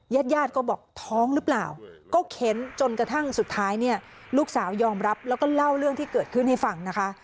ญาติญาติก็บอกท้องหรือเปล่าก็เค้นจนกระทั่งสุดท้ายเนี่ยลูกสาวยอมรับแล้วก็เล่าเรื่องที่เกิดขึ้นให้ฟังนะคะ